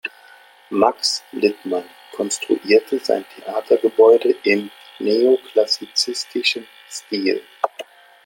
Max Littmann konstruierte sein Theatergebäude im neoklassizistischen Stil.